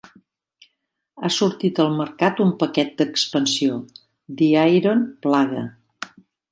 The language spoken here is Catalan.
Ha sortir al mercat un paquet d'expansió, "The Iron Plague".